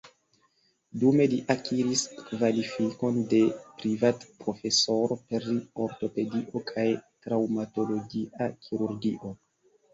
Dume li akiris kvalifikon de privatprofesoro pri ortopedio kaj traŭmatologia kirurgio.